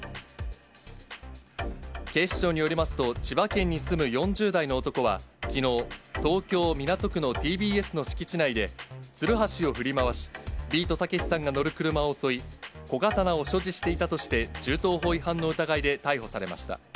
警視庁によりますと、千葉県に住む４０代の男は、きのう、東京・港区のＴＢＳの敷地内で、つるはしを振り回し、ビートたけしさんが乗る車を襲い、小刀を所持していたとして、銃刀法違反の疑いで逮捕されました。